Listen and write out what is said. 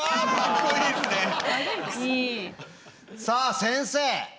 さあ先生。